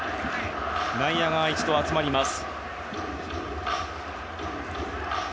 内野が一度、集まります。